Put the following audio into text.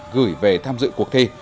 gửi về tham dự cuộc thi